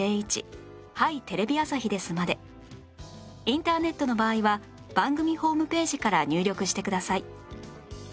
インターネットの場合は番組ホームページから入力してください